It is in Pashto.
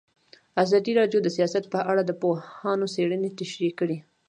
ازادي راډیو د سیاست په اړه د پوهانو څېړنې تشریح کړې.